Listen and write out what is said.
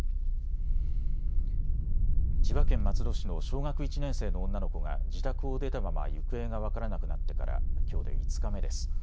千葉県松戸市の小学１年生の女の子が自宅を出たまま行方が分からなくなってからきょうで５日目です。